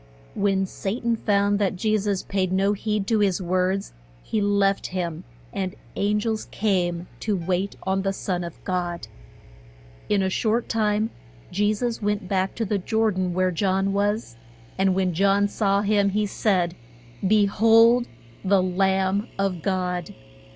When Sa tan found that Je sus paid no heed to his words, he left him, and an gels came to wait on the Son of God. In a short time Je sus went back to the Jor dan where John was, and when John saw him, he said, Be hold the Lamb of God!